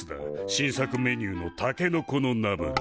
新作メニューのタケノコのナムル。